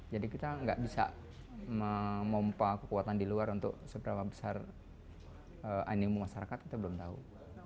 jadi kita nggak bisa memompa kekuatan di luar untuk seberapa besar animum masyarakat kita belum tahu